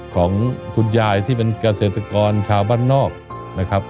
ของคุณยายที่เป็นเกษตรกรชาวบ้านนอกนะครับ